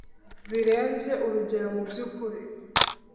birenze urugero mu byukuri